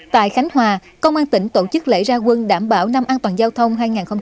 tại khánh hòa công an tỉnh tổ chức lễ gia quân đảm bảo năm an toàn giao thông hai nghìn một mươi sáu